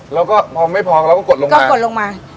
แล้วก็พอไม่พอเราก็กดลงมา